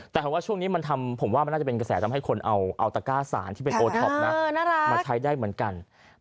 แต่ว่าช่วงนี้มันทำผมว่ามันน่าจะเป็นกระแสทำให้คนเอาตะก้าสารที่เป็นโอท็อปนะมาใช้ได้เหมือนกัน